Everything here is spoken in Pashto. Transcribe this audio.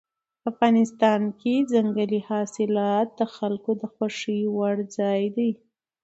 افغانستان کې ځنګلي حاصلات د خلکو د خوښې وړ ځای دی.